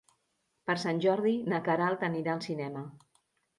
Per Sant Jordi na Queralt anirà al cinema.